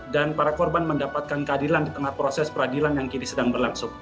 dan para korban mendapatkan keadilan di tengah proses peradilan yang kini sedang berlangsung